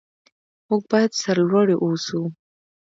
موږ باید سرلوړي اوسو.